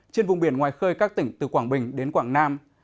trên vùng biển ngoài khơi các tỉnh từ quảng bình đến quảng nam